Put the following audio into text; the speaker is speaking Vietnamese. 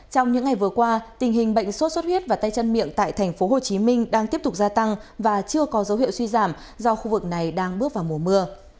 trong những ngày vừa qua tình hình bệnh sốt xuất huyết và tay chân miệng tại tp hcm đang tiếp tục gia tăng và chưa có dấu hiệu suy giảm do khu vực này đang bước vào mùa mưa